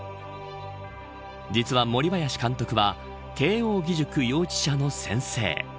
実は、森林監督は慶応義塾幼稚舎の先生。